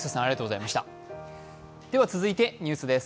続いてニュースです。